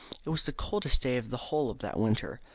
It was the coldest day of the whole of that winter.